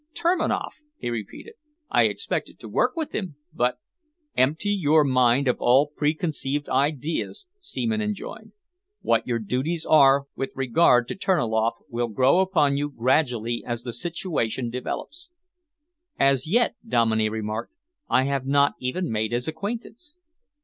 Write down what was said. "Terniloff?" he repeated. "I expected to work with him, but " "Empty your mind of all preconceived ideas," Seaman enjoined. "What your duties are with regard to Terniloff will grow upon you gradually as the situation develops." "As yet," Dominey remarked, "I have not even made his acquaintance."